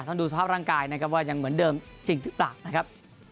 ดูสภาพร่างกายนะครับว่ายังเหมือนเดิมจริงหรือเปล่านะครับ